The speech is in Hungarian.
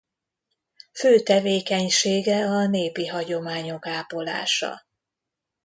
Fő tevékenysége a népi hagyományok ápolása.